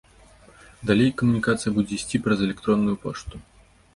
Далей камунікацыя будзе ісці праз электронную пошту.